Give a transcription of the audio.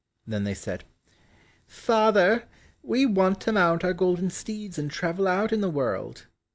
Then they said, "Father, we want to mount our golden steeds and travel out in the world."